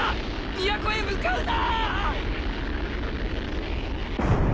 都へ向かうな！